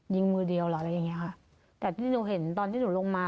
มือเดียวเหรออะไรอย่างเงี้ยค่ะแต่ที่หนูเห็นตอนที่หนูลงมา